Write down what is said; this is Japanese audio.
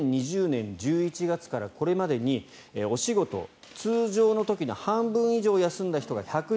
２０２０年１１月これまでにお仕事通常の時の半分以上休んだ人が１１４人。